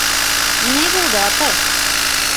Ни булды, атай?